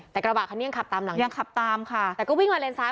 แต่กระบะคันนี้ยังขับตามหลังยังขับตามค่ะแต่ก็วิ่งมาเลนซ้าย